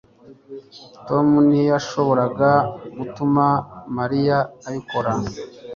tom ntiyashoboraga gutuma mariya abikora